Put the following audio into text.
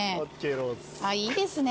いいですね。